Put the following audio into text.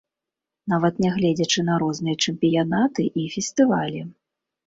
Нават нягледзячы на розныя чэмпіянаты і фестывалі.